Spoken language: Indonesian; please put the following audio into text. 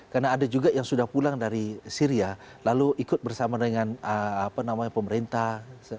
karena ada juga yang sudah pulang dari syria lalu ikut bersama dengan pemerintah